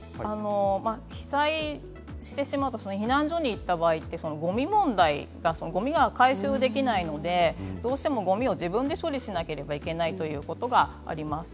被災してしまうと避難所に行った場合ごみ問題がごみが回収できないのでどうしても、ごみを自分で処理しなければならないということがあります。